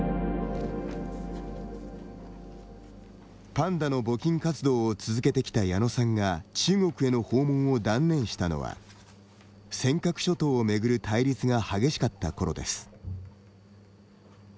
パンダの募金活動を続けてきた矢野さんが、中国への訪問を断念したのは、尖閣諸島を巡る対立が激しかったころです。